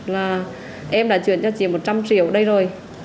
là em đã chuyển cho chị một trăm linh triệu đây rồi